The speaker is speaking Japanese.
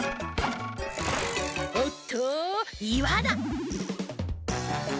おっといわだ。